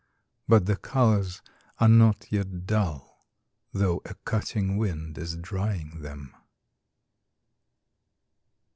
. but the colours are not yet dull, though a cutting wind is drying them.